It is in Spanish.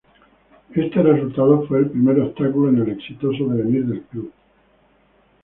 Este resultado fue el primer obstáculo en el exitoso devenir del club.